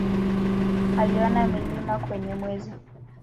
Aliona milima kwenye Mwezi.